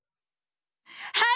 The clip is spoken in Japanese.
はい！